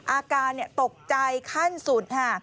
อาการตกใจขั้นศุนย์